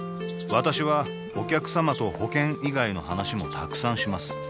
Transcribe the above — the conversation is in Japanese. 私はお客様と保険以外の話もたくさんします